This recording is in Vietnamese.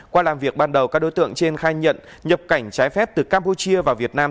qua làm việc ban đầu các đối tượng trên khai nhận nhập cảnh trái phép từ campuchia vào việt nam